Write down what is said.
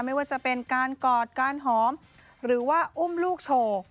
ไม่ว่าจะเป็นการกอดการหอมหรือว่าอุ้มลูกโชว์